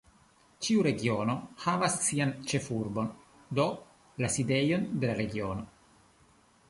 Ĉiu regiono havas sian "ĉefurbon", do la sidejon de la regiono.